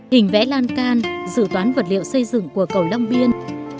hình vẽ lan can dự toán vật liệu xây dựng của cầu long biên